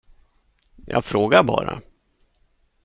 Jag frågar bara.